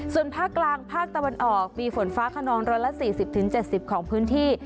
ส่วนภาคกลางภาคตะวันออกมีฝนฟ้าขนอง๑๔๐๗๐ของพื้นที่